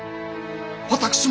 私も！